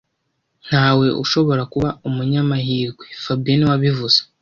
Ntawe ushobora kuba umunyamahirwe fabien niwe wabivuze